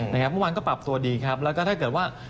เมื่อวานก็ปรับตัวดีครับแล้วก็ถ้าเกิดว่า